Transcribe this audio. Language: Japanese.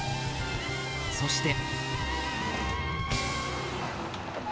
そして。